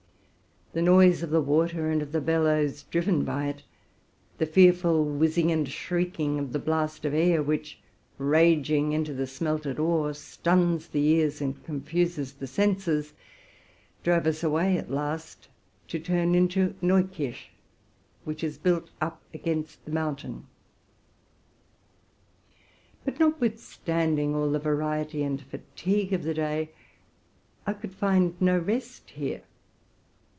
The noise of the water, and of the bellows driven by it; the fearful whizzing and shriek ing of the blast of air, which, raging into the "smelted ore, stuns the hearing and confuses the senses, — drove us away, at last, to turn into Neukirch, which is built up against the mountain. RELATING TO MY LIFE. 3 But, notwithstanding all the variety and fatigue of the day, I could find no rest here.